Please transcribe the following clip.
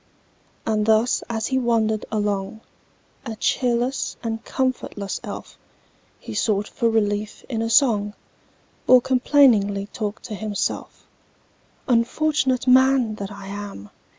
And thus as he wandered along, A cheerless and comfortless elf, He sought for relief in a song, Or complainingly talked to himself:— "Unfortunate man that I am!